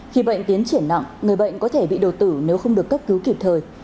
khi bệnh tiến triển nặng người bệnh có thể bị đột tử nếu không được cấp cứu kịp thời